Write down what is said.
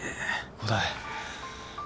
伍代。